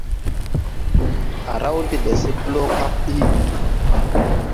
Á raw de ɓɛ se blɔɔ kag ɗiigi.